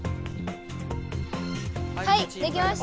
はいできました。